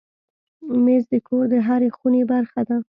مېز د کور د هرې خونې برخه ده.